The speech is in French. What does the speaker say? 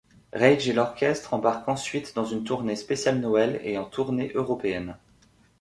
Rage et l'orchestre embarque ensuite dans une tournée spéciale Noël et en tournée européenne.